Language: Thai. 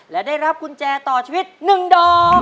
และได้รับกุญแจต่อชีวิต๑ดอก